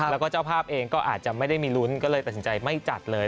แล้วก็เจ้าภาพเองก็อาจจะไม่ได้มีลุ้นก็เลยตัดสินใจไม่จัดเลย